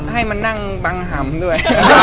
ให้มันนั่งบังห่ำเนอะเลย